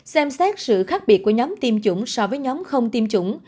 xem xét sự khác biệt của nhóm tiêm chủng so với nhóm không tiêm chủng